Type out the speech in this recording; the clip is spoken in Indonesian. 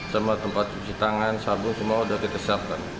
sama tempat cuci tangan sabun semua sudah kita siapkan